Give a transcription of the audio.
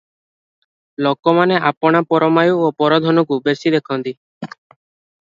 ଲୋକମାନେ ଆପଣା ପରମାୟୁ ଓ ପରଧନକୁ ବେଶି ଦେଖନ୍ତି ।